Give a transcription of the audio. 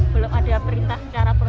belum ada perintah secara prosedur